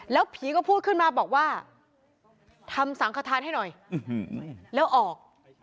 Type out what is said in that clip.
แล้วผีก็พูดขึ้นมาบอกว่าทำสังขทานให้หน่อยแล้วออก